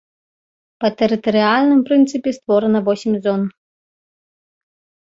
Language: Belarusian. Па тэрытарыяльным прынцыпе створана восем зон.